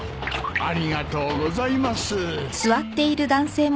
ありがとうございます。